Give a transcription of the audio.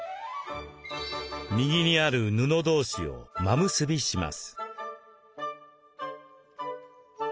右にある布同士を真結びします。